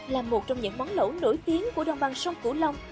là một trong những món lẩu nổi tiếng của đoàn băng sông cửu long